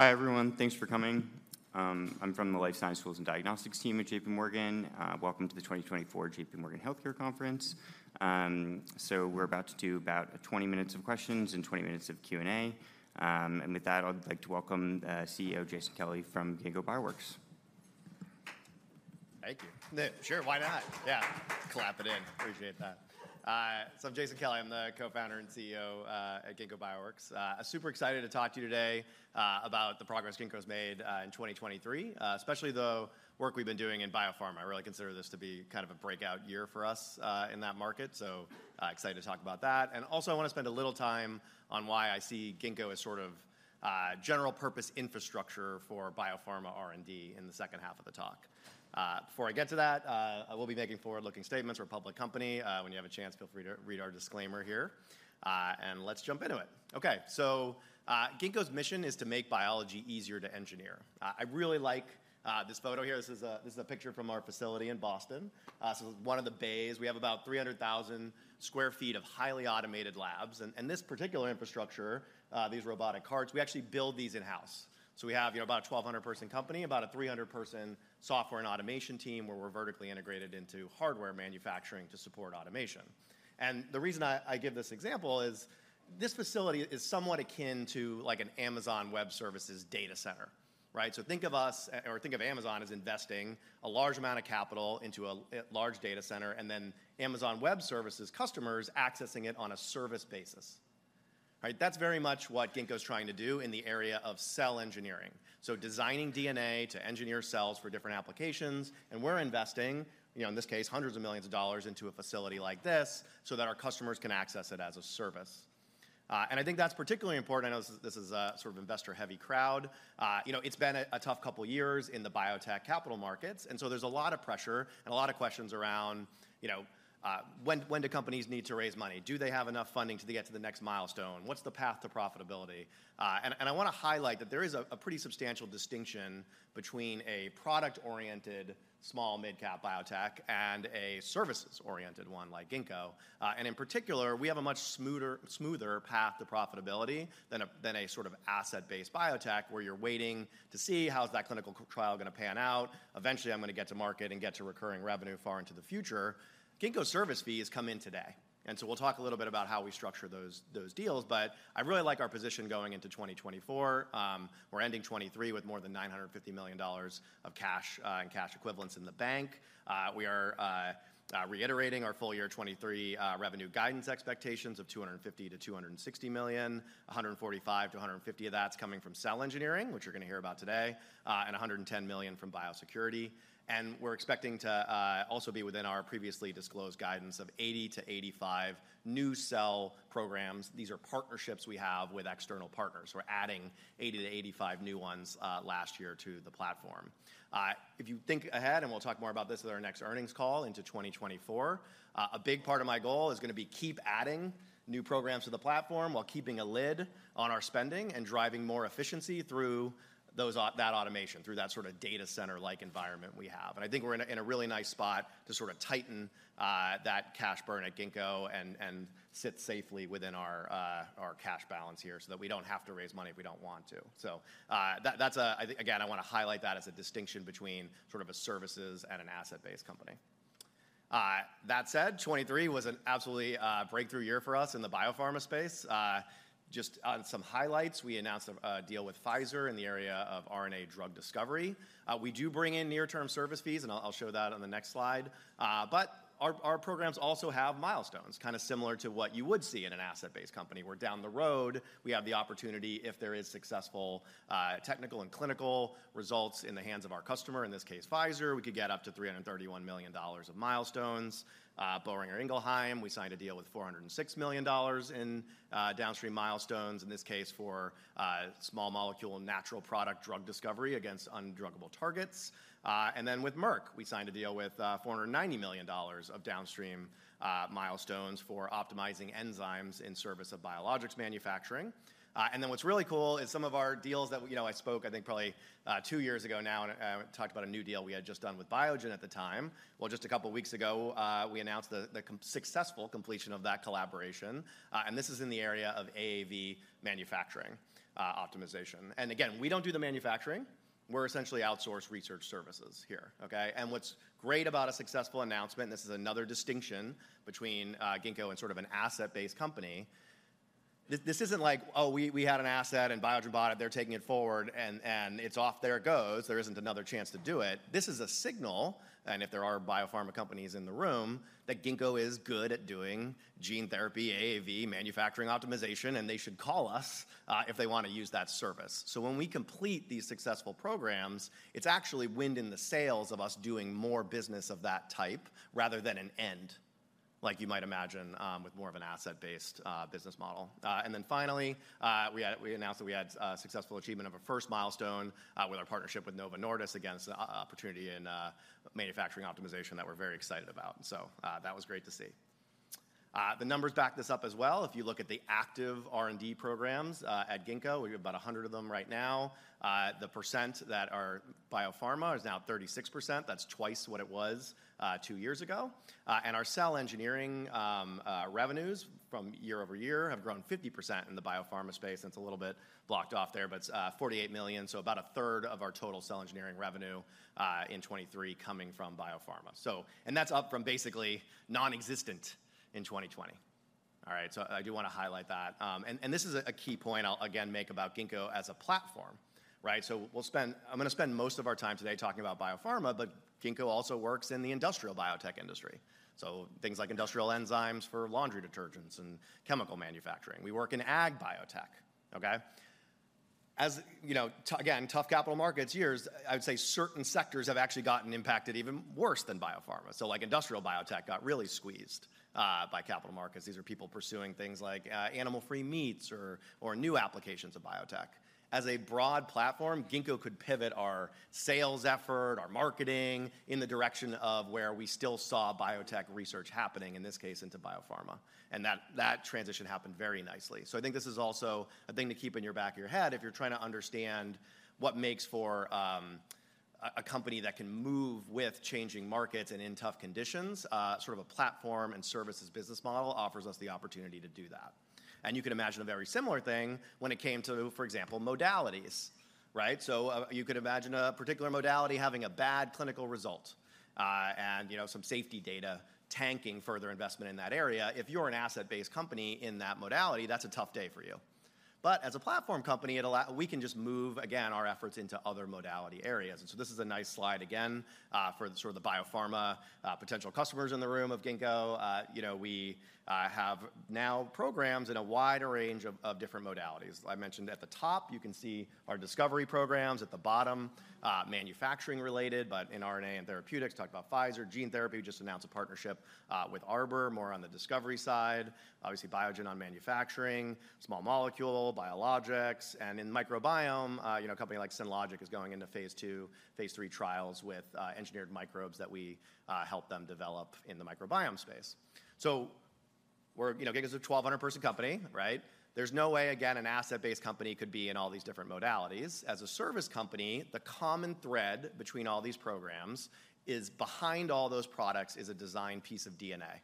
Hi, everyone. Thanks for coming. I'm from the Life Sciences Tools and Diagnostics team at JPMorgan. Welcome to the 2024 JPMorgan Healthcare Conference. So we're about to do about 20 minutes of questions and 20 minutes of Q&A. And with that, I'd like to welcome CEO Jason Kelly from Ginkgo Bioworks. Thank you. Sure, why not? Yeah, clap it in. Appreciate that. So I'm Jason Kelly. I'm the Co-founder and CEO at Ginkgo Bioworks. I'm super excited to talk to you today about the progress Ginkgo's made in 2023, especially the work we've been doing in biopharma. I really consider this to be kind of a breakout year for us in that market, so excited to talk about that. And also, I want to spend a little time on why I see Ginkgo as sort of general purpose infrastructure for biopharma R&D in the second half of the talk. Before I get to that, I will be making forward-looking statements. We're a public company. When you have a chance, feel free to read our disclaimer here, and let's jump into it. Okay, so, Ginkgo's mission is to make biology easier to engineer. I really like this photo here. This is a picture from our facility in Boston. So one of the bays, we have about 300,000 sq ft of highly automated labs, and this particular infrastructure, these robotic carts, we actually build these in-house. So we have, you know, about a 1,200-person company, about a 300-person software and automation team, where we're vertically integrated into hardware manufacturing to support automation. And the reason I give this example is this facility is somewhat akin to, like, an Amazon Web Services data center, right? So think of us or think of Amazon as investing a large amount of capital into a large data center, and then Amazon Web Services customers accessing it on a service basis, right? That's very much what Ginkgo's trying to do in the area of cell engineering. So designing DNA to engineer cells for different applications, and we're investing, you know, in this case, hundreds of millions of dollars into a facility like this so that our customers can access it as a service. And I think that's particularly important. I know this is a sort of investor-heavy crowd. You know, it's been a tough couple of years in the biotech capital markets, and so there's a lot of pressure and a lot of questions around, you know, when do companies need to raise money? Do they have enough funding to get to the next milestone? What's the path to profitability? And I want to highlight that there is a pretty substantial distinction between a product-oriented small, mid-cap biotech and a services-oriented one like Ginkgo. And in particular, we have a much smoother path to profitability than a sort of asset-based biotech, where you're waiting to see how is that clinical trial going to pan out? Eventually, I'm going to get to market and get to recurring revenue far into the future. Ginkgo's service fees come in today, and so we'll talk a little bit about how we structure those deals, but I really like our position going into 2024. We're ending 2023 with more than $950 million of cash and cash equivalents in the bank. We are reiterating our full year 2023 revenue guidance expectations of $250 million-$260 million, $145 million-$150 million of that's coming from cell engineering, which you're going to hear about today, and $110 million from biosecurity. We're expecting to also be within our previously disclosed guidance of 80-85 new cell programs. These are partnerships we have with external partners. We're adding 80-85 new ones last year to the platform. If you think ahead, and we'll talk more about this at our next earnings call in 2024, a big part of my goal is going to be keep adding new programs to the platform while keeping a lid on our spending and driving more efficiency through that automation, through that sort of data center-like environment we have. And I think we're in a really nice spot to sort of tighten that cash burn at Ginkgo and sit safely within our cash balance here, so that we don't have to raise money if we don't want to. So, that, that's a again, I want to highlight that as a distinction between sort of a services and an asset-based company. That said, 2023 was an absolutely breakthrough year for us in the biopharma space. Just some highlights, we announced a deal with Pfizer in the area of RNA drug discovery. We do bring in near-term service fees, and I'll show that on the next slide. But our programs also have milestones, kind of similar to what you would see in an asset-based company, where down the road, we have the opportunity, if there is successful technical and clinical results in the hands of our customer, in this case, Pfizer, we could get up to $331 million of milestones. Boehringer Ingelheim, we signed a deal with $406 million in downstream milestones, in this case, for small molecule natural product drug discovery against undruggable targets. And then with Merck, we signed a deal with $490 million of downstream milestones for optimizing enzymes in service of biologics manufacturing. And then what's really cool is some of our deals that, you know, I spoke, I think, probably, two years ago now and talked about a new deal we had just done with Biogen at the time. Well, just a couple of weeks ago, we announced the successful completion of that collaboration, and this is in the area of AAV manufacturing optimization. And again, we don't do the manufacturing. We're essentially outsourced research services here, okay? And what's great about a successful announcement, this is another distinction between Ginkgo and sort of an asset-based company. This isn't like, oh, we had an asset and Biogen bought it, they're taking it forward, and it's off, there it goes. There isn't another chance to do it. This is a signal, and if there are biopharma companies in the room, that Ginkgo is good at doing gene therapy, AAV, manufacturing optimization, and they should call us, if they want to use that service. So when we complete these successful programs, it's actually wind in the sails of us doing more business of that type, rather than an end, like you might imagine, with more of an asset-based, business model. And then finally, we announced that we had successful achievement of a first milestone, with our partnership with Novo Nordisk against a opportunity in, manufacturing optimization that we're very excited about. So, that was great to see. The numbers back this up as well. If you look at the active R&D programs at Ginkgo, we have about 100 of them right now. The percent that are biopharma is now 36%. That's twice what it was two years ago. And our cell engineering revenues from year-over-year have grown 50% in the biopharma space. That's a little bit blocked off there, but it's $48 million, so about a third of our total cell engineering revenue in 2023 coming from biopharma. And that's up from basically nonexistent in 2020. All right, so I do wanna highlight that. And this is a key point I'll again make about Ginkgo as a platform, right? I'm gonna spend most of our time today talking about biopharma, but Ginkgo also works in the industrial biotech industry. So things like industrial enzymes for laundry detergents and chemical manufacturing. We work in ag biotech, okay? As you know, again, tough capital markets years, I'd say certain sectors have actually gotten impacted even worse than biopharma. So, like, industrial biotech got really squeezed by capital markets. These are people pursuing things like animal-free meats or new applications of biotech. As a broad platform, Ginkgo could pivot our sales effort, our marketing, in the direction of where we still saw biotech research happening, in this case, into biopharma, and that transition happened very nicely. So I think this is also a thing to keep in the back of your head if you're trying to understand what makes for a company that can move with changing markets and in tough conditions. Sort of a platform and services business model offers us the opportunity to do that. And you can imagine a very similar thing when it came to, for example, modalities, right? So you could imagine a particular modality having a bad clinical result, and, you know, some safety data tanking further investment in that area. If you're an asset-based company in that modality, that's a tough day for you. But as a platform company, we can just move again, our efforts into other modality areas. This is a nice slide again, for the sort of the biopharma potential customers in the room of Ginkgo. You know, we have now programs in a wide range of different modalities. I mentioned at the top, you can see our discovery programs at the bottom, manufacturing related, but in RNA and therapeutics, talk about Pfizer. Gene therapy, we just announced a partnership with Arbor, more on the discovery side. Obviously, Biogen on manufacturing, small molecule, biologics. And in microbiome, you know, a company like Synlogic is going into phase II, phase III trials with engineered microbes that we helped them develop in the microbiome space. So we're you know, Ginkgo is a 1,200-person company, right? There's no way, again, an asset-based company could be in all these different modalities. As a service company, the common thread between all these programs is behind all those products is a design piece of DNA,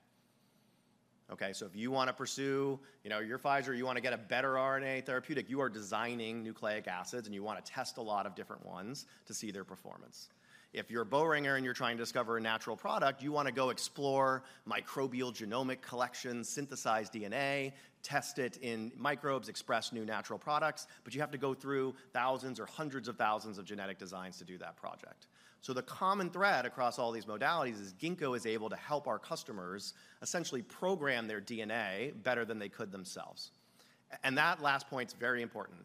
okay? So if you wanna pursue, you know, you're Pfizer, you wanna get a better RNA therapeutic, you are designing nucleic acids, and you wanna test a lot of different ones to see their performance. If you're Boehringer and you're trying to discover a natural product, you wanna go explore microbial genomic collections, synthesize DNA, test it in microbes, express new natural products, but you have to go through thousands or hundreds of thousands of genetic designs to do that project. So the common thread across all these modalities is Ginkgo is able to help our customers essentially program their DNA better than they could themselves. And that last point is very important.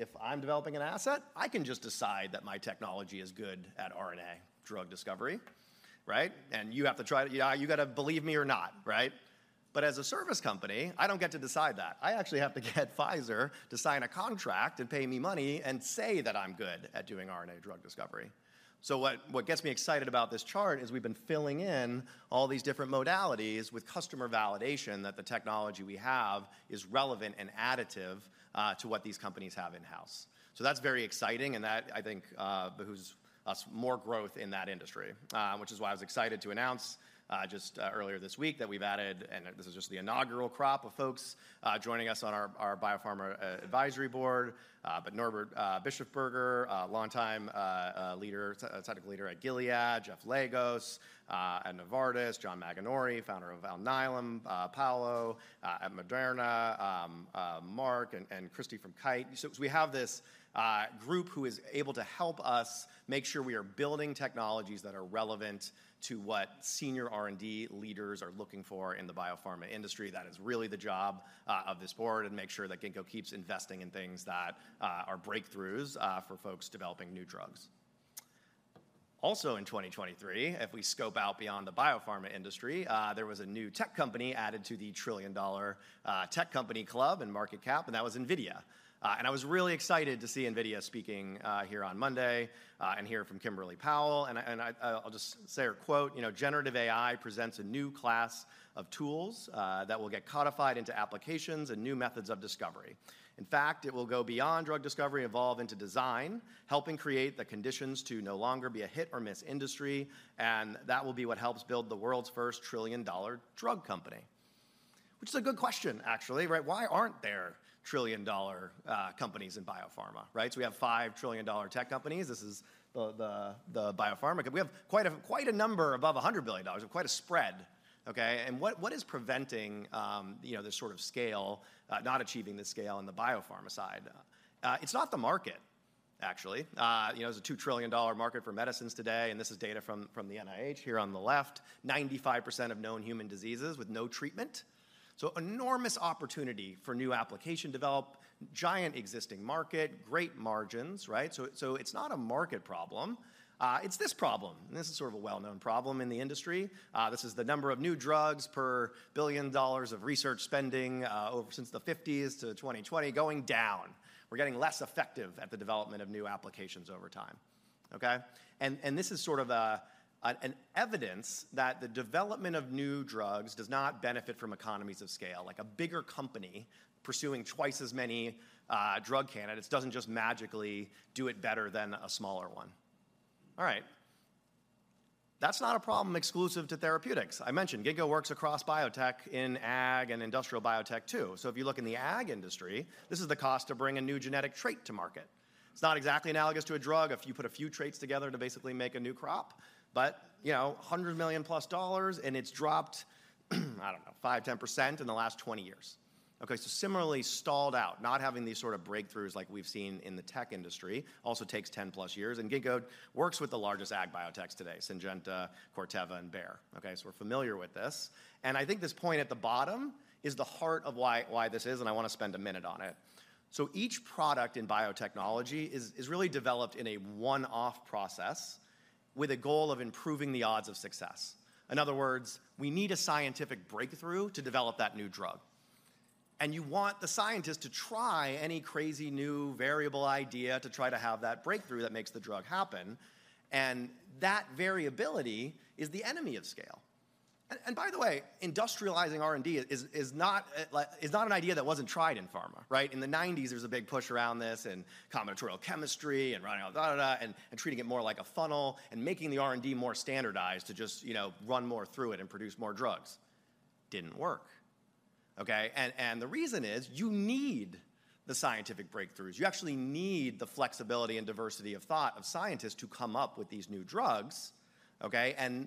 If I'm developing an asset, I can just decide that my technology is good at RNA drug discovery, right? And you have to try, you gotta believe me or not, right? But as a service company, I don't get to decide that. I actually have to get Pfizer to sign a contract and pay me money and say that I'm good at doing RNA drug discovery. So what, what gets me excited about this chart is we've been filling in all these different modalities with customer validation that the technology we have is relevant and additive, to what these companies have in-house. So that's very exciting, and that, I think, behooves us more growth in that industry. Which is why I was excited to announce, just earlier this week, that we've added, and this is just the inaugural crop of folks, joining us on our biopharma advisory board. But Norbert Bischofberger, longtime technical leader at Gilead, Jeff Legos at Novartis, John Maraganore, founder of Alnylam, Paolo at Moderna, Mark and Christi from Kite. So we have this group who is able to help us make sure we are building technologies that are relevant to what senior R&D leaders are looking for in the biopharma industry. That is really the job of this board, and make sure that Ginkgo keeps investing in things that are breakthroughs for folks developing new drugs. Also in 2023, if we scope out beyond the biopharma industry, there was a new tech company added to the trillion-dollar tech company club and market cap, and that was NVIDIA. And I was really excited to see NVIDIA speaking here on Monday and hear from Kimberly Powell. And I'll just say her quote: "You know, generative AI presents a new class of tools that will get codified into applications and new methods of discovery. In fact, it will go beyond drug discovery, evolve into design, helping create the conditions to no longer be a hit-or-miss industry, and that will be what helps build the world's first trillion-dollar drug company." Which is a good question, actually, right? Why aren't there trillion-dollar companies in biopharma, right? So we have five trillion-dollar tech companies. This is the biopharma company. We have quite a number above $100 billion and quite a spread, okay? And what is preventing, you know, this sort of scale, not achieving this scale on the biopharma side? It's not the market, actually. You know, there's a $2 trillion market for medicines today, and this is data from the NIH here on the left. 95% of known human diseases with no treatment. So enormous opportunity for new application development, giant existing market, great margins, right? So it's not a market problem, it's this problem, and this is sort of a well-known problem in the industry. This is the number of new drugs per $1 billion of research spending, over since the 1950s to 2020, going down. We're getting less effective at the development of new applications over time, okay? This is sort of evidence that the development of new drugs does not benefit from economies of scale. Like, a bigger company pursuing twice as many drug candidates doesn't just magically do it better than a smaller one. All right, that's not a problem exclusive to therapeutics. I mentioned, Ginkgo works across biotech in ag and industrial biotech, too. So if you look in the ag industry, this is the cost to bring a new genetic trait to market. It's not exactly analogous to a drug if you put a few traits together to basically make a new crop, but, you know, $100 million plus, and it's dropped, I don't know, 5%-10% in the last 20 years. Okay, so similarly stalled out, not having these sort of breakthroughs like we've seen in the tech industry, also takes 10+ years, and Ginkgo works with the largest ag biotechs today, Syngenta, Corteva, and Bayer. Okay, so we're familiar with this. And I think this point at the bottom is the heart of why, why this is, and I wanna spend a minute on it. So each product in biotechnology is, is really developed in a one-off process with a goal of improving the odds of success. In other words, we need a scientific breakthrough to develop that new drug. And you want the scientist to try any crazy new variable idea to try to have that breakthrough that makes the drug happen, and that variability is the enemy of scale. And by the way, industrializing R&D is not an idea that wasn't tried in pharma, right? In the nineties, there was a big push around this in combinatorial chemistry and da da da, and treating it more like a funnel and making the R&D more standardized to just, you know, run more through it and produce more drugs. Didn't work, okay? And the reason is, you need the scientific breakthroughs. You actually need the flexibility and diversity of thought of scientists to come up with these new drugs, okay? And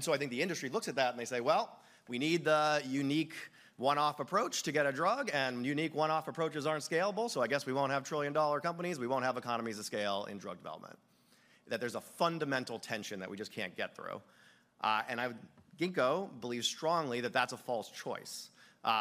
so I think the industry looks at that and they say, "Well, we need the unique one-off approach to get a drug, and unique one-off approaches aren't scalable, so I guess we won't have trillion-dollar companies. We won't have economies of scale in drug development." That there's a fundamental tension that we just can't get through. Ginkgo believes strongly that that's a false choice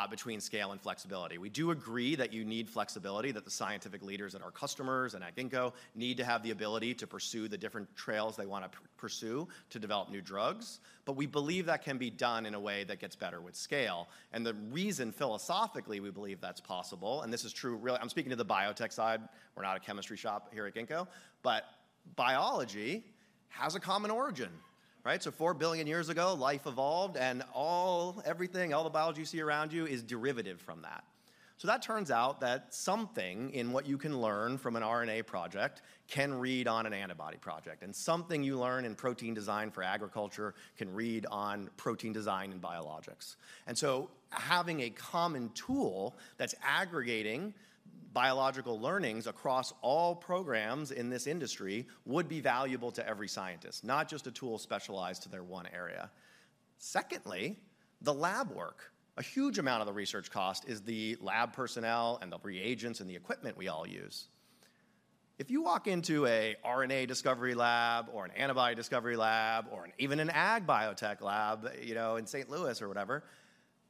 between scale and flexibility. We do agree that you need flexibility, that the scientific leaders and our customers and at Ginkgo need to have the ability to pursue the different trails they wanna pursue to develop new drugs, but we believe that can be done in a way that gets better with scale. And the reason, philosophically, we believe that's possible, and this is true, really, I'm speaking to the biotech side. We're not a chemistry shop here at Ginkgo. But biology has a common origin, right? So four billion years ago, life evolved, and all, everything, all the biology you see around you is derivative from that. So that turns out that something in what you can learn from an RNA project can read on an antibody project, and something you learn in protein design for agriculture can read on protein design in biologics. And so having a common tool that's aggregating biological learnings across all programs in this industry would be valuable to every scientist, not just a tool specialized to their one area. Secondly, the lab work. A huge amount of the research cost is the lab personnel and the reagents and the equipment we all use. If you walk into a RNA discovery lab or an antibody discovery lab or an even an ag biotech lab, you know, in St. Louis or whatever,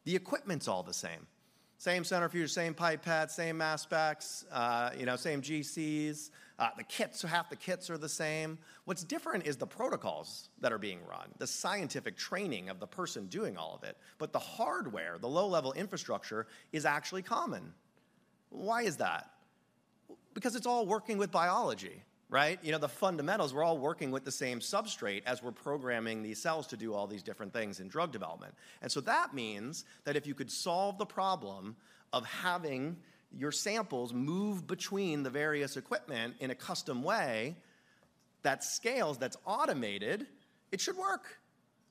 the equipment's all the same. Same centrifuge, same pipette, same aspects, you know, same GCs, the kits, half the kits are the same. What's different is the protocols that are being run, the scientific training of the person doing all of it, but the hardware, the low-level infrastructure, is actually common. Why is that? Because it's all working with biology, right? You know, the fundamentals, we're all working with the same substrate as we're programming these cells to do all these different things in drug development. And so that means that if you could solve the problem of having your samples move between the various equipment in a custom way that scales, that's automated, it should work,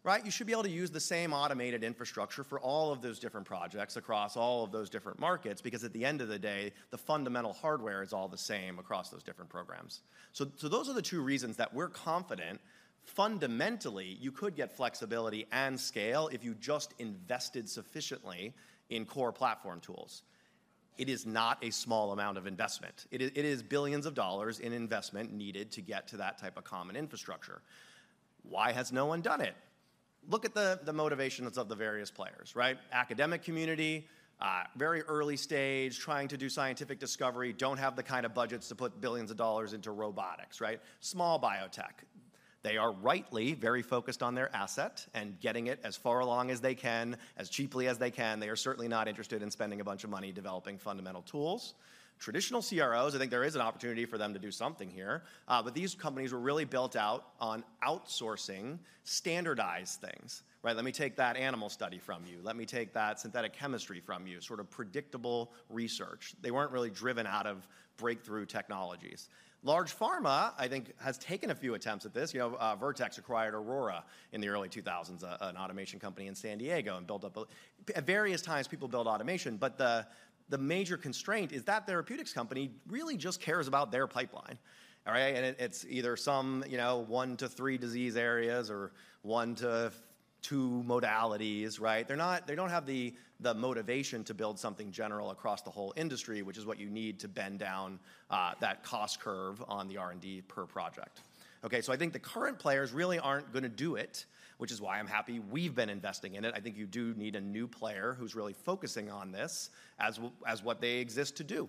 right? You should be able to use the same automated infrastructure for all of those different projects across all of those different markets, because at the end of the day, the fundamental hardware is all the same across those different programs. So those are the two reasons that we're confident, fundamentally, you could get flexibility and scale if you just invested sufficiently in core platform tools. It is not a small amount of investment. It is billions of dollars in investment needed to get to that type of common infrastructure. Why has no one done it? Look at the motivations of the various players, right? Academic community, very early stage, trying to do scientific discovery, don't have the kind of budgets to put billions of dollars into robotics, right? Small biotech. They are rightly very focused on their asset and getting it as far along as they can, as cheaply as they can. They are certainly not interested in spending a bunch of money developing fundamental tools. Traditional CROs, I think there is an opportunity for them to do something here, but these companies were really built out on outsourcing standardized things, right? "Let me take that animal study from you. Let me take that synthetic chemistry from you." Sort of predictable research. They weren't really driven out of breakthrough technologies. Large pharma, I think, has taken a few attempts at this. You know, Vertex acquired Aurora in the early 2000s, an automation company in San Diego, and built up-- at various times, people built automation, but the major constraint is that therapeutics company really just cares about their pipeline. All right? And it's either some, you know, one to three disease areas or one to two modalities, right? They're not. They don't have the motivation to build something general across the whole industry, which is what you need to bend down that cost curve on the R&D per project. Okay, so I think the current players really aren't gonna do it, which is why I'm happy we've been investing in it. I think you do need a new player who's really focusing on this, as what they exist to do.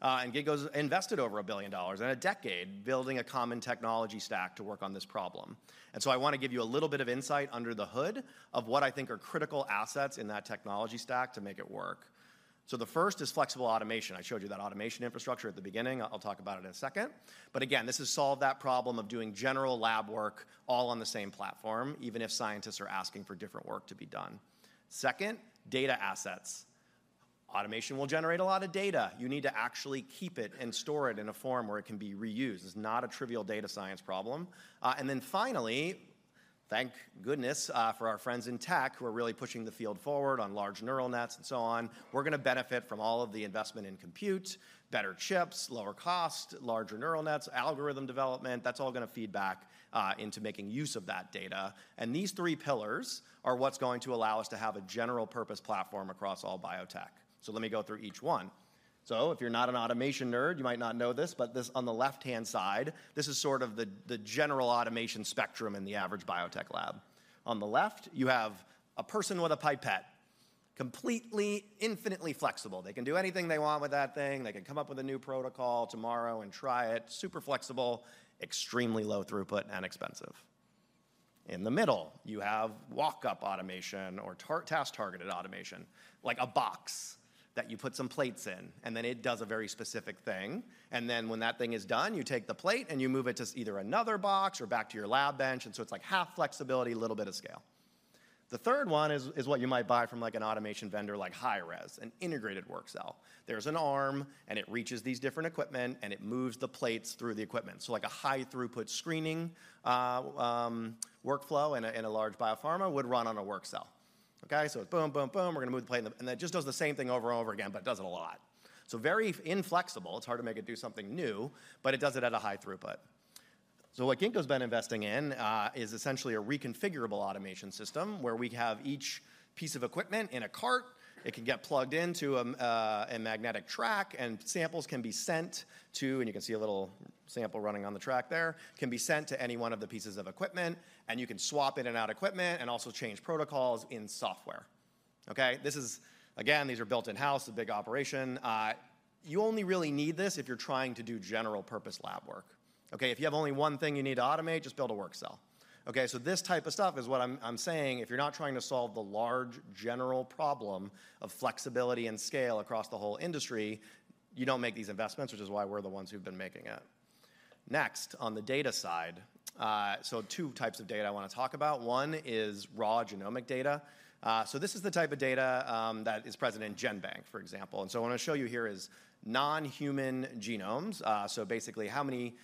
And Ginkgo's invested over $1 billion in a decade building a common technology stack to work on this problem. And so I wanna give you a little bit of insight under the hood of what I think are critical assets in that technology stack to make it work. So the first is flexible automation. I showed you that automation infrastructure at the beginning. I'll talk about it in a second. But again, this has solved that problem of doing general lab work all on the same platform, even if scientists are asking for different work to be done. Second, data assets. Automation will generate a lot of data. You need to actually keep it and store it in a form where it can be reused. It's not a trivial data science problem. And then finally, thank goodness, for our friends in tech who are really pushing the field forward on large neural nets and so on, we're gonna benefit from all of the investment in compute, better chips, lower cost, lower cost, larger neural nets, algorithm development. That's all gonna feed back into making use of that data. And these three pillars are what's going to allow us to have a general purpose platform across all biotech. So let me go through each one. So if you're not an automation nerd, you might not know this, but this on the left-hand side, this is sort of the general automation spectrum in the average biotech lab. On the left, you have a person with a pipette, completely, infinitely flexible. They can do anything they want with that thing. They can come up with a new protocol tomorrow and try it, super flexible, extremely low throughput and expensive. In the middle, you have walk-up automation or task-targeted automation, like a box that you put some plates in, and then it does a very specific thing, and then when that thing is done, you take the plate, and you move it to either another box or back to your lab bench, and so it's like half flexibility, a little bit of scale. The third one is what you might buy from, like, an automation vendor like HighRes, an integrated work cell. There's an arm, and it reaches these different equipment, and it moves the plates through the equipment. So like a high-throughput screening workflow in a large biopharma would run on a work cell. Okay? So boom, boom, boom, we're gonna move the plate, and it just does the same thing over and over again, but does it a lot. So very inflexible. It's hard to make it do something new, but it does it at a high throughput. So what Ginkgo's been investing in is essentially a reconfigurable automation system, where we have each piece of equipment in a cart. It can get plugged into a magnetic track, and samples can be sent to—and you can see a little sample running on the track there—can be sent to any one of the pieces of equipment, and you can swap in and out equipment and also change protocols in software. Okay, this is again, these are built in-house, a big operation. You only really need this if you're trying to do general-purpose lab work. Okay, if you have only one thing you need to automate, just build a work cell. Okay, so this type of stuff is what I'm saying, if you're not trying to solve the large, general problem of flexibility and scale across the whole industry, you don't make these investments, which is why we're the ones who've been making it. Next, on the data side, so two types of data I want to talk about. One is raw genomic data. So this is the type of data that is present in GenBank, for example. And so I want to show you here is non-human genomes. So basically, how many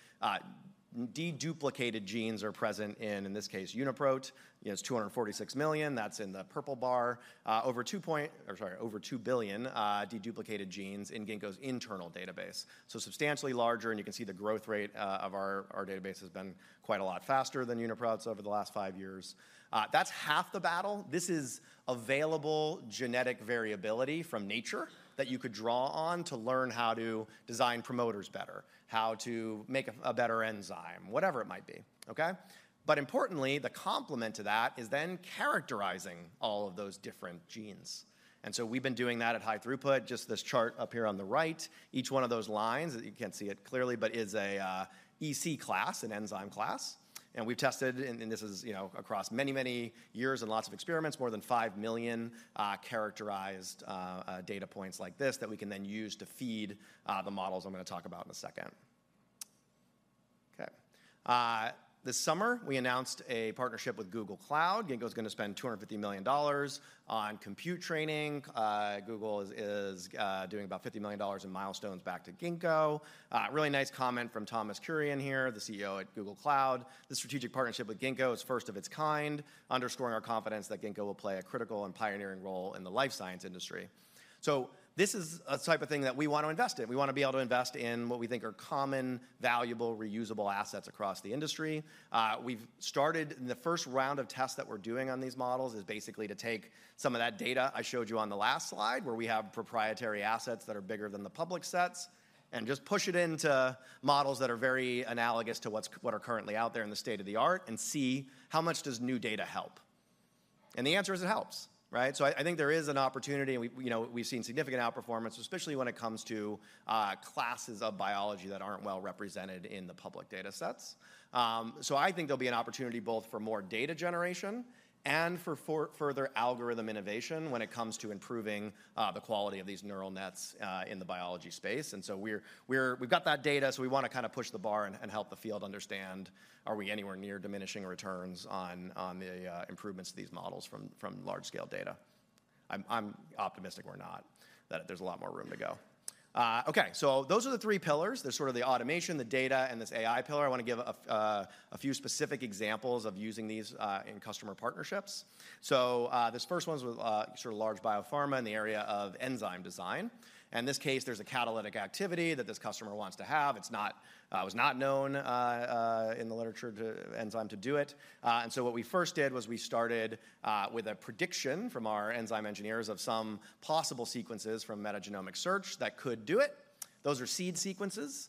de-duplicated genes are present in, in this case, UniProt? You know, it's 246 million. That's in the purple bar. Over two billion de-duplicated genes in Ginkgo's internal database. So substantially larger, and you can see the growth rate of our, our database has been quite a lot faster than UniProt's over the last five years. That's half the battle. This is available genetic variability from nature that you could draw on to learn how to design promoters better, how to make a, a better enzyme, whatever it might be, okay? But importantly, the complement to that is then characterizing all of those different genes. And so we've been doing that at high throughput. Just this chart up here on the right, each one of those lines, you can't see it clearly, but is a EC class, an enzyme class. And we've tested, and this is, you know, across many, many years and lots of experiments, more than 5 million characterized data points like this that we can then use to feed the models I'm gonna talk about in a second. Okay. This summer, we announced a partnership with Google Cloud. Ginkgo's gonna spend $250 million on compute training. Google is doing about $50 million in milestones back to Ginkgo. Really nice comment from Thomas Kurian here, the CEO at Google Cloud: "This strategic partnership with Ginkgo is first of its kind, underscoring our confidence that Ginkgo will play a critical and pioneering role in the life science industry." So this is a type of thing that we want to invest in. We want to be able to invest in what we think are common, valuable, reusable assets across the industry. We've started. The first round of tests that we're doing on these models is basically to take some of that data I showed you on the last slide, where we have proprietary assets that are bigger than the public sets, and just push it into models that are very analogous to what are currently out there in the state-of-the-art and see how much does new data help. And the answer is it helps, right? So I, I think there is an opportunity, and we, you know, we've seen significant outperformance, especially when it comes to classes of biology that aren't well represented in the public data sets. So I think there'll be an opportunity both for more data generation and for further algorithm innovation when it comes to improving the quality of these neural nets in the biology space. And so we're—we've got that data, so we wanna kind of push the bar and help the field understand, are we anywhere near diminishing returns on the improvements to these models from large-scale data? I'm optimistic we're not, that there's a lot more room to go. Okay, so those are the three pillars. They're sort of the automation, the data, and this AI pillar. I want to give a few specific examples of using these in customer partnerships. So, this first one's with sort of large biopharma in the area of enzyme design. In this case, there's a catalytic activity that this customer wants to have. It was not known in the literature to enzyme to do it. And so what we first did was we started with a prediction from our enzyme engineers of some possible sequences from metagenomic search that could do it. Those are seed sequences.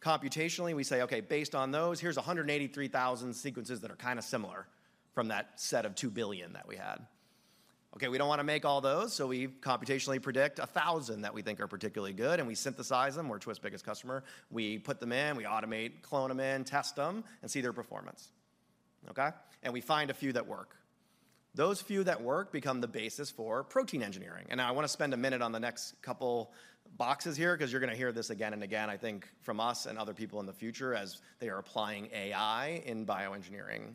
Computationally, we say, "Okay, based on those, here's 183,000 sequences that are kind of similar from that set of 2 billion that we had." Okay, we don't want to make all those, so we computationally predict 1,000 that we think are particularly good, and we synthesize them. We're Twist's biggest customer. We put them in, we automate, clone them in, test them, and see their performance, okay? And we find a few that work. Those few that work become the basis for protein engineering. And now I want to spend a minute on the next couple boxes here, because you're going to hear this again and again, I think, from us and other people in the future as they are applying AI in bioengineering.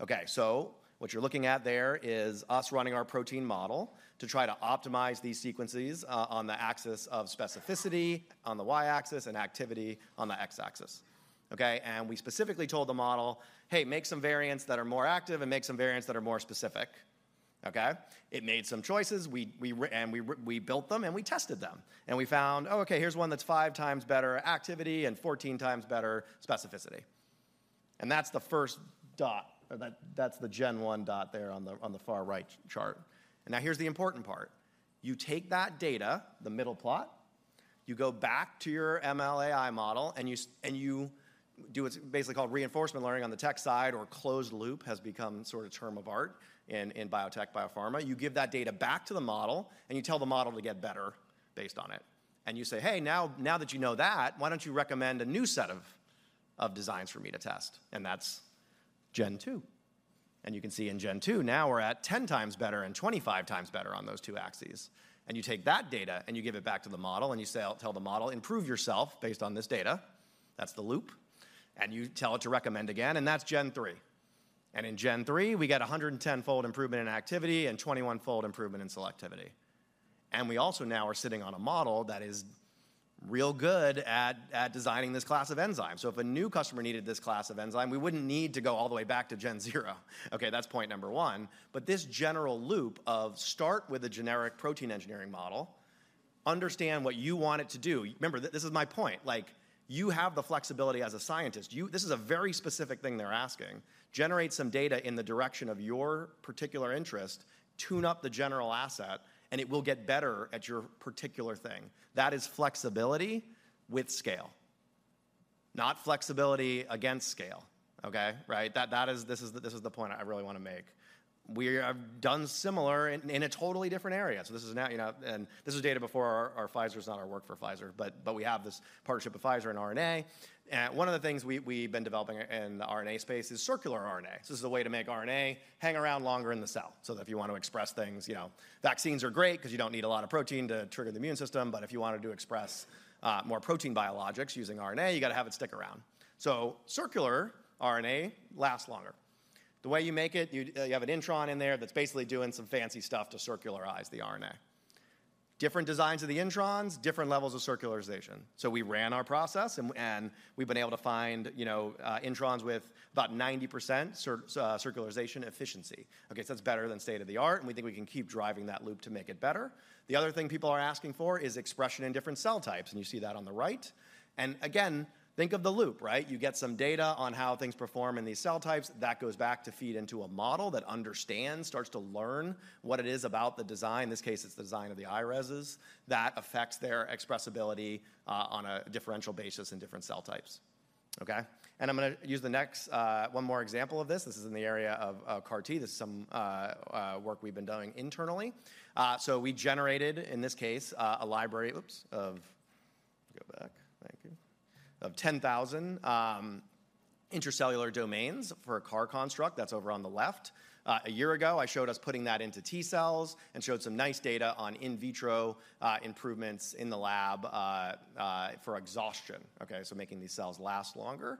Okay, so what you're looking at there is us running our protein model to try to optimize these sequences, on the axis of specificity on the Y-axis and activity on the X-axis. Okay? And we specifically told the model, "Hey, make some variants that are more active and make some variants that are more specific." Okay? It made some choices. We built them, and we tested them. And we found, "Oh, okay, here's one that's 5 times better activity and 14 times better specificity." And that's the first dot, or that, that's the gen one dot there on the far right chart. And now, here's the important part. You take that data, the middle plot, you go back to your ML AI model, and you do what's basically called reinforcement learning on the tech side or closed loop has become sort of term of art in biotech, biopharma. You give that data back to the model, and you tell the model to get better based on it. You say, "Hey, now, now that you know that, why don't you recommend a new set of designs for me to test?" That's gen two. You can see in gen two, now we're at 10 times better and 25 times better on those two axes. You take that data, and you give it back to the model, and you say, tell the model, "Improve yourself based on this data." That's the loop. You tell it to recommend again, and that's Gen 3. And in Gen 3, we get a 110-fold improvement in activity and 21-fold improvement in selectivity. And we also now are sitting on a model that is real good at designing this class of enzymes. So if a new customer needed this class of enzyme, we wouldn't need to go all the way back to gen 0. Okay, that's point number 1. But this general loop of start with a generic protein engineering model, understand what you want it to do. Remember, this is my point, like, you have the flexibility as a scientist. You—this is a very specific thing they're asking. Generate some data in the direction of your particular interest, tune up the general asset, and it will get better at your particular thing. That is flexibility with scale, not flexibility against scale, okay? Right. That, that is, this is the, this is the point I really want to make. We have done similar in a totally different area. So this is now, you know, and this is data before our Pfizer's, not our work for Pfizer, but we have this partnership with Pfizer in RNA. And one of the things we've been developing in the RNA space is Circular RNA. So this is a way to make RNA hang around longer in the cell, so that if you want to express things, you know, vaccines are great because you don't need a lot of protein to trigger the immune system, but if you wanted to express more protein biologics using RNA, you got to have it stick around. So Circular RNA lasts longer. The way you make it, you have an intron in there that's basically doing some fancy stuff to circularize the RNA. Different designs of the introns, different levels of circularization. So we ran our process, and we've been able to find, you know, introns with about 90% circularization efficiency. Okay, so that's better than state-of-the-art, and we think we can keep driving that loop to make it better. The other thing people are asking for is expression in different cell types, and you see that on the right. And again, think of the loop, right? You get some data on how things perform in these cell types. That goes back to feed into a model that understands, starts to learn what it is about the design, in this case, it's the design of the HighRes, that affects their expressibility, on a differential basis in different cell types. Okay? And I'm gonna use the next, one more example of this. This is in the area of CAR-T. This is some work we've been doing internally. So we generated, in this case, a library of 10,000 intracellular domains for a CAR construct. That's over on the left. A year ago, I showed us putting that into T cells and showed some nice data on in vitro improvements in the lab for exhaustion. Okay, so making these cells last longer.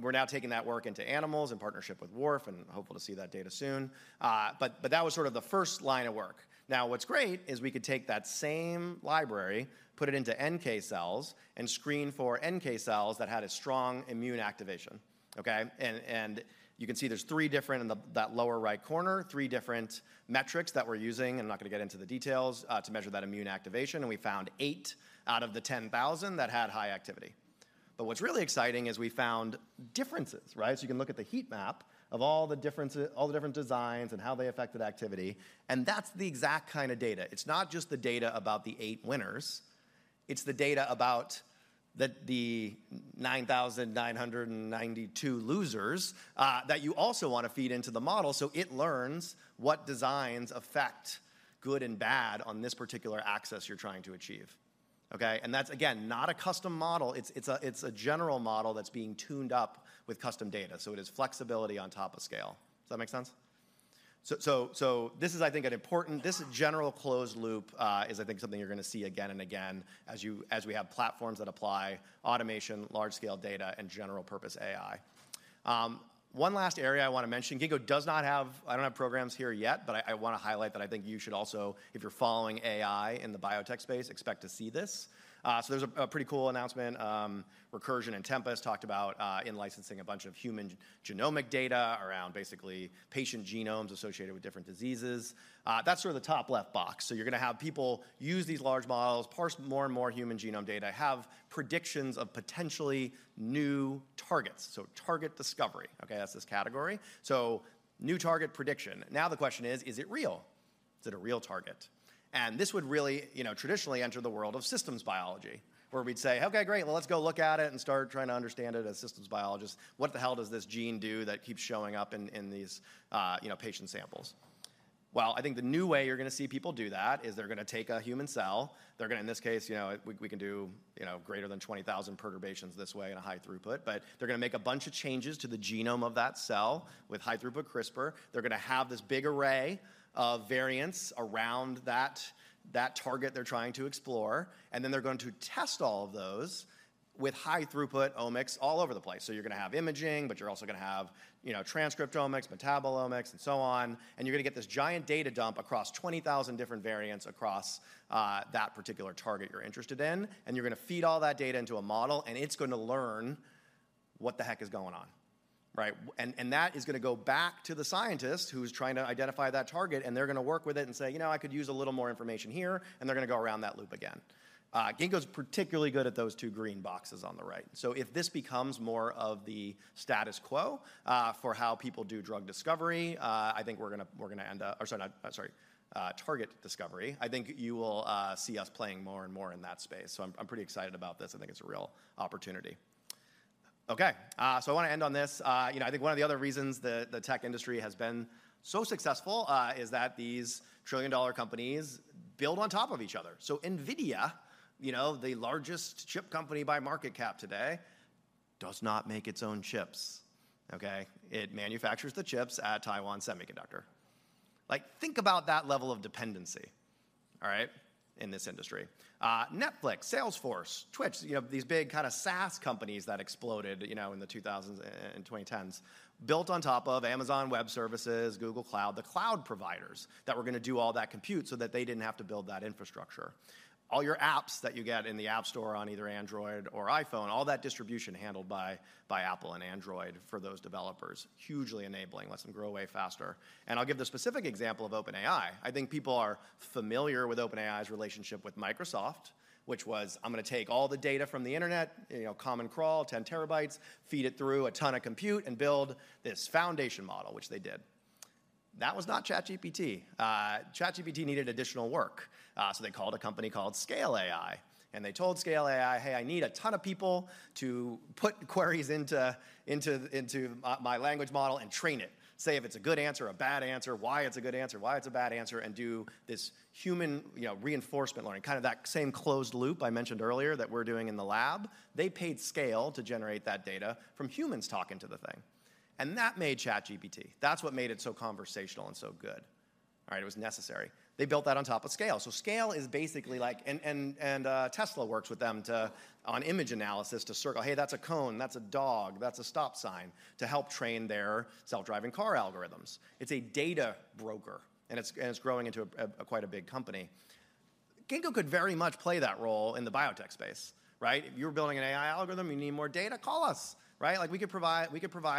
We're now taking that work into animals in partnership with WARF and hopeful to see that data soon. But that was sort of the first line of work. Now, what's great is we could take that same library, put it into NK cells, and screen for NK cells that had a strong immune activation, okay? And you can see there's three different in the, that lower right corner, three different metrics that we're using, I'm not going to get into the details, to measure that immune activation, and we found eight out of the 10,000 that had high activity. But what's really exciting is we found differences, right? So you can look at the heat map of all the differences, all the different designs and how they affected activity, and that's the exact kind of data. It's not just the data about the eight winners, it's the data about the 9,992 losers that you also want to feed into the model so it learns what designs affect good and bad on this particular access you're trying to achieve, okay? And that's, again, not a custom model. It's a general model that's being tuned up with custom data, so it is flexibility on top of scale. Does that make sense? So this is, I think, an important. This general closed loop is, I think, something you're going to see again and again as you, as we have platforms that apply automation, large scale data, and general purpose AI. One last area I want to mention, Ginkgo does not have, I don't have programs here yet, but I want to highlight that I think you should also, if you're following AI in the biotech space, expect to see this. So there's a pretty cool announcement, Recursion and Tempus talked about in licensing a bunch of human genomic data around basically patient genomes associated with different diseases. That's sort of the top left box. So you're gonna have people use these large models, parse more and more human genome data, have predictions of potentially new targets. So target discovery, okay? That's this category. So new target prediction. Now, the question is, is it real? Is it a real target? And this would really, you know, traditionally enter the world of systems biology, where we'd say: Okay, great, well, let's go look at it and start trying to understand it as systems biologists. What the hell does this gene do that keeps showing up in these, you know, patient samples? Well, I think the new way you're gonna see people do that is they're gonna take a human cell. They're gonna, in this case, you know, we, we can do, you know, greater than 20,000 perturbations this way in a high throughput. But they're gonna make a bunch of changes to the genome of that cell with high-throughput CRISPR. They're gonna have this big array of variants around that, that target they're trying to explore, and then they're going to test all of those with high-throughput omics all over the place. So you're gonna have imaging, but you're also gonna have, you know, transcriptomics, metabolomics, and so on. And you're gonna get this giant data dump across 20,000 different variants across that particular target you're interested in, and you're gonna feed all that data into a model, and it's going to learn what the heck is going on, right? And that is gonna go back to the scientist who's trying to identify that target, and they're gonna work with it and say, "You know, I could use a little more information here," and they're gonna go around that loop again. Ginkgo's particularly good at those two green boxes on the right. So if this becomes more of the status quo for how people do drug discovery, I think we're gonna end up, or sorry, not, target discovery. I think you will see us playing more and more in that space, so I'm pretty excited about this. I think it's a real opportunity. Okay, so I wanna end on this. You know, I think one of the other reasons the tech industry has been so successful is that these trillion-dollar companies build on top of each other. So NVIDIA, you know, the largest chip company by market cap today, does not make its own chips, okay? It manufactures the chips at Taiwan Semiconductor. Like, think about that level of dependency, all right, in this industry. Netflix, Salesforce, Twitch, you know, these big kind of SaaS companies that exploded, you know, in the 2000s and 2010s, built on top of Amazon Web Services, Google Cloud, the cloud providers that were gonna do all that compute so that they didn't have to build that infrastructure. All your apps that you get in the App Store on either Android or iPhone, all that distribution handled by Apple and Android for those developers, hugely enabling, lets them grow way faster. And I'll give the specific example of OpenAI. I think people are familiar with OpenAI's relationship with Microsoft, which was, "I'm gonna take all the data from the internet, you know, Common Crawl, 10 TB, feed it through a ton of compute, and build this foundation model," which they did. That was not ChatGPT. ChatGPT needed additional work, so they called a company called Scale AI, and they told Scale AI, "Hey, I need a ton of people to put queries into my language model and train it. Say if it's a good answer, a bad answer, why it's a good answer, why it's a bad answer, and do this human, you know, reinforcement learning," kind of that same closed loop I mentioned earlier that we're doing in the lab. They paid Scale to generate that data from humans talking to the thing, and that made ChatGPT. That's what made it so conversational and so good, all right? It was necessary. They built that on top of Scale. So Scale is basically like... Tesla works with them to on image analysis to circle, "Hey, that's a cone, that's a dog, that's a stop sign," to help train their self-driving car algorithms. It's a data broker, and it's growing into a quite big company. Ginkgo could very much play that role in the biotech space, right? If you're building an AI algorithm, you need more data, call us, right? Like, we could provide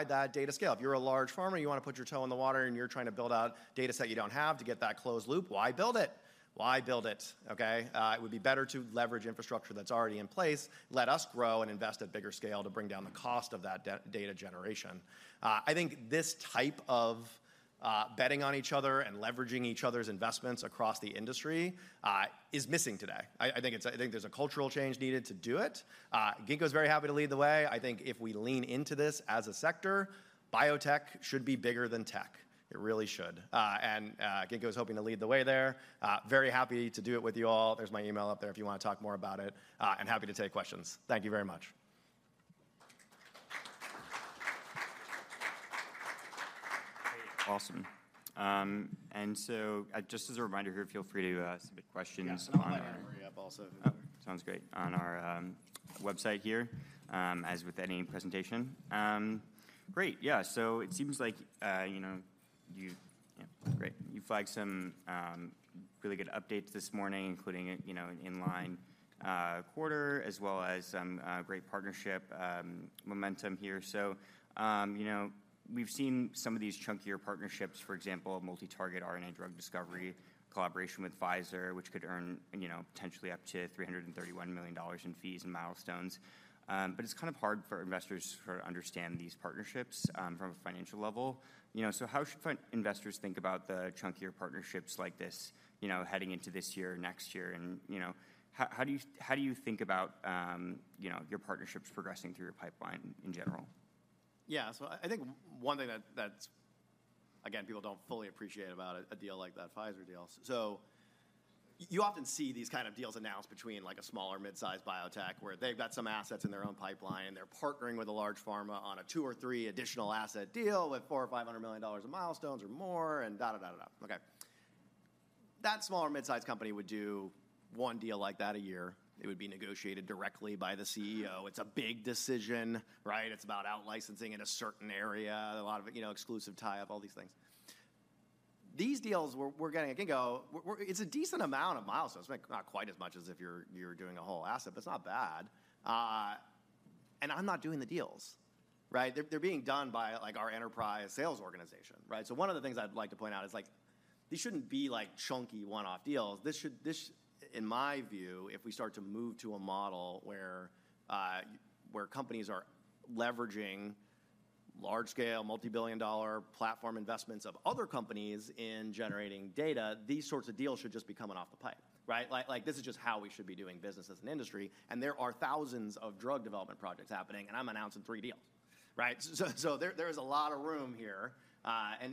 that data scale. If you're a large pharma, you wanna put your toe in the water, and you're trying to build out a data set you don't have to get that closed loop, why build it? Why build it, okay? It would be better to leverage infrastructure that's already in place, let us grow and invest at bigger scale to bring down the cost of that data generation. I think this type of betting on each other and leveraging each other's investments across the industry is missing today. I think there's a cultural change needed to do it. Ginkgo's very happy to lead the way. I think if we lean into this as a sector, biotech should be bigger than tech. It really should. And Ginkgo is hoping to lead the way there. Very happy to do it with you all. There's my email up there if you wanna talk more about it, and happy to take questions. Thank you very much. Awesome. And so, just as a reminder here, feel free to submit questions on our- Yeah, and I'll put my email up also. Sounds great. On our website here, as with any presentation. Great. Yeah, so it seems like, you know, you. Yeah, great. You flagged some really good updates this morning, including a, you know, an inline quarter, as well as some great partnership momentum here. So, you know, we've seen some of these chunkier partnerships, for example, a multi-target RNA drug discovery collaboration with Pfizer, which could earn, you know, potentially up to $331 million in fees and milestones. But it's kind of hard for investors to sort of understand these partnerships from a financial level. You know, so how should for investors think about the chunkier partnerships like this, you know, heading into this year, next year, and, you know, how, how do you, how do you think about, you know, your partnerships progressing through your pipeline in general? Yeah. So I think one thing that that's, again, people don't fully appreciate about a deal like that, Pfizer deal. So you often see these kind of deals announced between, like, a small or mid-sized biotech, where they've got some assets in their own pipeline, and they're partnering with a large pharma on a two or three additional asset deal with $400-$500 million in milestones or more. Okay. That small or mid-sized company would do one deal like that a year. It would be negotiated directly by the CEO. It's a big decision, right? It's about out-licensing in a certain area, a lot of, you know, exclusive tie-up, all these things. These deals we're getting at Ginkgo, it's a decent amount of milestones, but not quite as much as if you're doing a whole asset, but it's not bad. I'm not doing the deals, right? They're being done by, like, our enterprise sales organization, right? So one of the things I'd like to point out is, like, these shouldn't be like chunky one-off deals. This should, this, in my view, if we start to move to a model where companies are leveraging large-scale, multi-billion-dollar platform investments of other companies in generating data, these sorts of deals should just be coming off the pipe, right? Like, this is just how we should be doing business as an industry, and there are thousands of drug development projects happening, and I'm announcing three deals, right? So there is a lot of room here.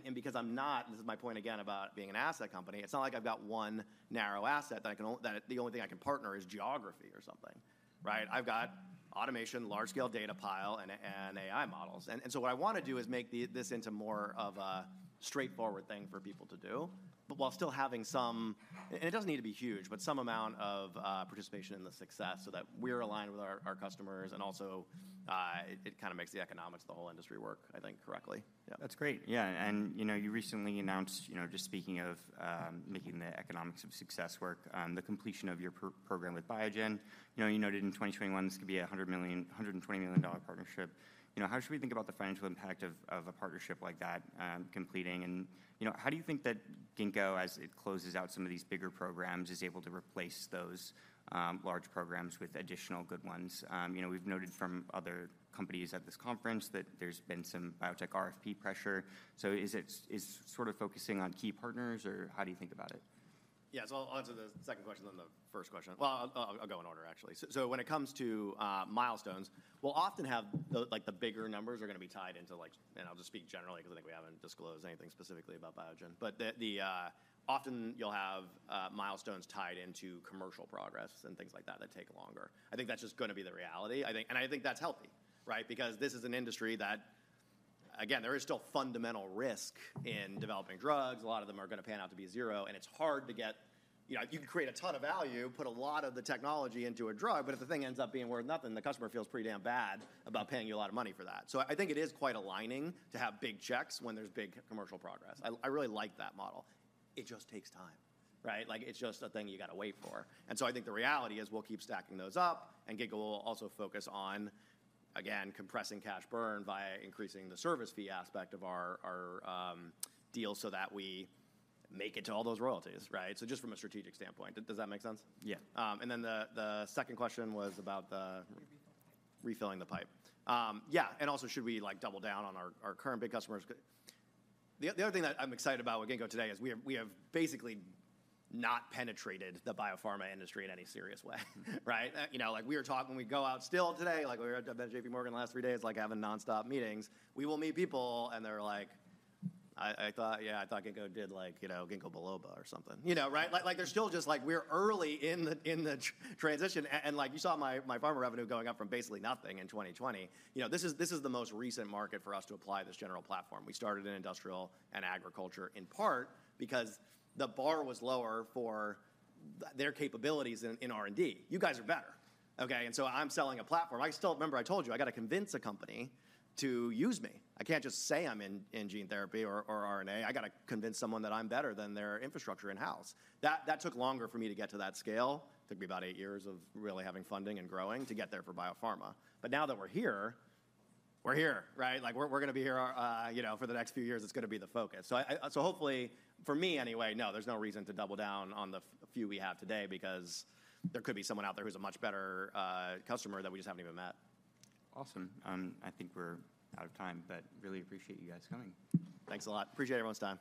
And because I'm not—this is my point again about being an asset company—it's not like I've got one narrow asset that I can only—that the only thing I can partner is geography or something, right? I've got automation, large-scale data pile, and AI models. And so what I wanna do is make this into more of a straightforward thing for people to do, but while still having some. And it doesn't need to be huge, but some amount of participation in the success so that we're aligned with our customers and also it kind of makes the economics of the whole industry work, I think, correctly. Yeah. That's great. Yeah, and, you know, you recently announced, you know, just speaking of, making the economics of success work, the completion of your program with Biogen. You know, you noted in 2021 this could be a $100 million-$120 million dollar partnership. You know, how should we think about the financial impact of a partnership like that completing? And, you know, how do you think that Ginkgo, as it closes out some of these bigger programs, is able to replace those large programs with additional good ones? You know, we've noted from other companies at this conference that there's been some biotech RFP pressure. So is it, is sort of focusing on key partners, or how do you think about it? Yeah, so I'll answer the second question, then the first question. Well, I'll go in order, actually. So when it comes to milestones, we'll often have like, the bigger numbers are gonna be tied into, like. And I'll just speak generally because I think we haven't disclosed anything specifically about Biogen. But often you'll have milestones tied into commercial progress and things like that, that take longer. I think that's just gonna be the reality. I think and I think that's healthy, right? Because this is an industry that, again, there is still fundamental risk in developing drugs. A lot of them are gonna pan out to be zero, and it's hard to get. You know, you can create a ton of value, put a lot of the technology into a drug, but if the thing ends up being worth nothing, the customer feels pretty damn bad about paying you a lot of money for that. So I think it is quite aligning to have big checks when there's big commercial progress. I, I really like that model. It just takes time, right? Like, it's just a thing you gotta wait for. And so I think the reality is we'll keep stacking those up, and Ginkgo will also focus on, again, compressing cash burn via increasing the service fee aspect of our, our, deal so that we make it to all those royalties, right? So just from a strategic standpoint, does that make sense? Yeah. And then the second question was about the- Refilling the pipe. Refilling the pipe. Yeah, and also, should we, like, double down on our current big customers? The other thing that I'm excited about with Ginkgo today is we have basically not penetrated the biopharma industry in any serious way, right? You know, like, we were talking, we go out still today, like, we were at JPMorgan the last three days, like, having nonstop meetings. We will meet people, and they're like: "I thought, yeah, I thought Ginkgo did like, you know, ginkgo biloba or something." You know, right? Like, like, they're still just like we're early in the transition. And like, you saw my pharma revenue going up from basically nothing in 2020. You know, this is the most recent market for us to apply this general platform. We started in industrial and agriculture in part because the bar was lower for their capabilities in R&D. You guys are better, okay? And so I'm selling a platform. I still remember, I told you I got to convince a company to use me. I can't just say I'm in gene therapy or RNA. I gotta convince someone that I'm better than their infrastructure in-house. That took longer for me to get to that scale. Took me about eight years of really having funding and growing to get there for biopharma. But now that we're here, we're here, right? Like, we're gonna be here, you know, for the next few years, it's gonna be the focus. So I... So hopefully, for me anyway, no, there's no reason to double down on the few we have today because there could be someone out there who's a much better customer that we just haven't even met. Awesome. I think we're out of time, but really appreciate you guys coming. Thanks a lot. Appreciate everyone's time.